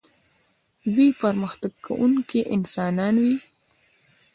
دوی پرمختګ کوونکي انسانان وي.